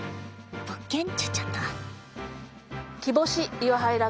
物件っちゅっちゃった。